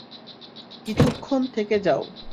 কিছুক্ষণ থেকে যাও।